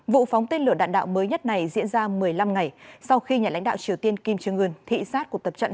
vụ phóng tên lửa đạn đạo mới nhất này diễn ra một mươi năm ngày sau khi nhà lãnh đạo triều tiên kim jong un thị xát cuộc tập trận